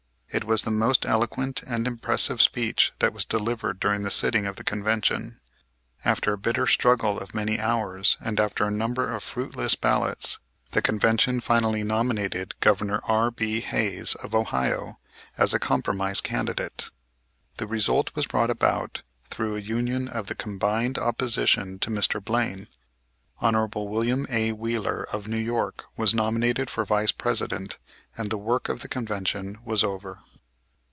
It was the most eloquent and impressive speech that was delivered during the sitting of the Convention. After a bitter struggle of many hours, and after a number of fruitless ballots, the Convention finally nominated Gov. R.B. Hayes, of Ohio, as a compromise candidate. This result was brought about through a union of the combined opposition to Mr. Blaine. Hon. Wm. A. Wheeler, of New York, was nominated for Vice President and the work of the Convention was over.